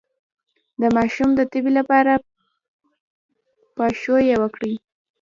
د ماشوم د تبې لپاره پاشویه وکړئ